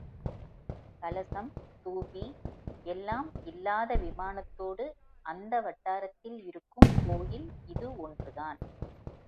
கலசம், ஸ்தூபி எல்லாம் இல்லாத விமானத்தோடு அந்த வட்டாரத்தில் இருக்கும் கோயில் இது ஒன்றுதான்.